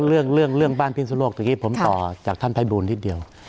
จริงเรื่องบ้านพิสุทธิ์โลกผมต่อจากท่านไพบูลนิดเดียว